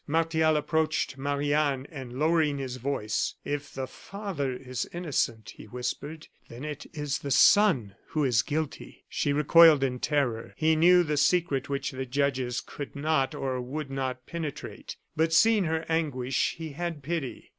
Martial approached Marie Anne, and lowering his voice: "If the father is innocent," he whispered, "then it is the son who is guilty." She recoiled in terror. He knew the secret which the judges could not, or would not penetrate. But seeing her anguish, he had pity.